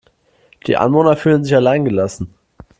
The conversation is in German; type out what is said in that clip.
Die Anwohner fühlen sich allein gelassen.